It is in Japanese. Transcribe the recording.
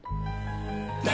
何！？